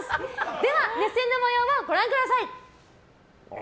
では、熱戦の模様をご覧ください。